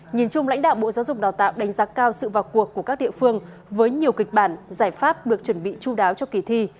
nhìn chung lãnh đạo bộ giáo dục đào tạo đánh giá cao sự vào cuộc của các địa phương với nhiều kịch bản giải pháp được chuẩn bị chú đáo cho kỳ thi